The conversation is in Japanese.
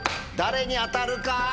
誰に当たるか？